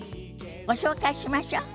ご紹介しましょ。